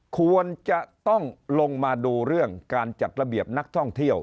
ควรจะต้องลงมาดูเรื่องการจัดระเบียบนักท่องเที่ยว